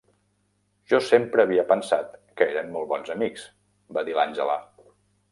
"Jo sempre havia pensat que eren molt bons amics", va dir l'Angela.